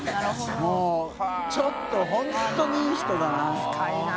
もうちょっと本当にいい人だな。